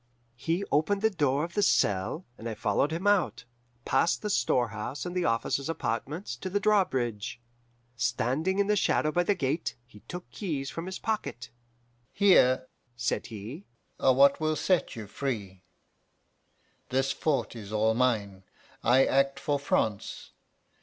"He opened the door of the cell, and I followed him out, past the storehouse and the officers' apartments, to the drawbridge. Standing in the shadow by the gate, he took keys from his pocket. 'Here,' said he, 'are what will set you free. This fort is all mine: I act for France.